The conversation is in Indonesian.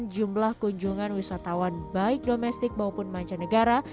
jumlah kunjungan wisatawan baik domestik maupun mancanegara